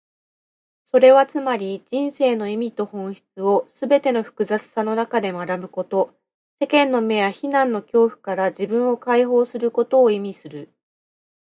それはつまり、人生の意味と本質をすべての複雑さの中で学ぶこと、世間の目や非難の恐怖から自分を解放することを意味する。